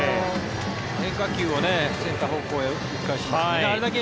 変化球をセンター方向へ打ち返しましたね。